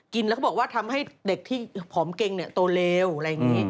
กินแล้วเขาบอกว่าทำให้เด็กที่ผอมเกงเนี่ยโตเลวอะไรอย่างนี้